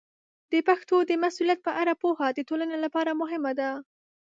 د پښتو د مسوولیت په اړه پوهه د ټولنې لپاره مهمه ده.